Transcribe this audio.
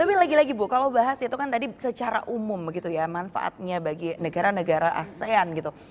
tapi lagi lagi bu kalau bahas itu kan tadi secara umum begitu ya manfaatnya bagi negara negara asean gitu